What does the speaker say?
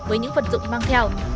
với những vật dụng mang theo